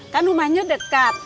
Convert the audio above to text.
kan rumahnya dekat